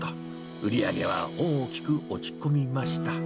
売り上げは大きく落ち込みました。